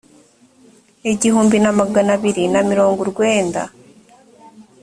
igihumbi na magana abiri na mirongo urwenda